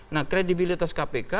nah kredibilitas kpk